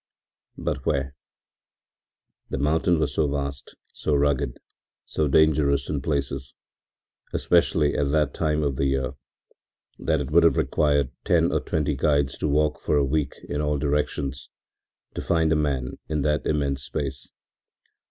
But where? The mountain was so vast, so rugged, so dangerous in places, especially at that time of the year, that it would have required ten or twenty guides to walk for a week in all directions to find a man in that immense space.